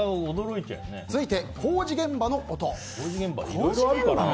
続いて、工事現場の音。